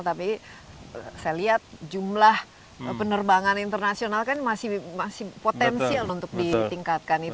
tapi saya lihat jumlah penerbangan internasional kan masih potensial untuk ditingkatkan itu